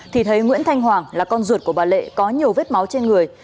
thì thấy nguyễn thanh hoàng là con ruột của bà lệ có nhiều vết máu trên người